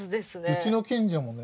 うちの近所もね